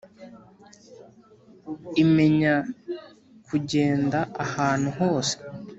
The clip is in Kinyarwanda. Imenya kugenda ahantu hose